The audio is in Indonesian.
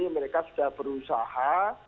mereka sudah berusaha